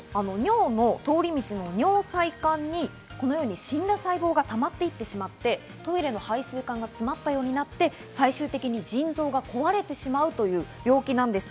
尿細管にこのように死んだ細胞がたまっていってしまって、トイレの排水管が詰まったようになって、最終的に腎臓が壊れてしまうという病気です。